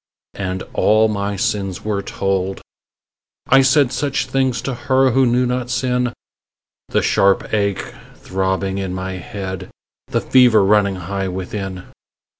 And all my sins were told; I said Such things to her who knew not sin The sharp ache throbbing in my head, The fever running high within.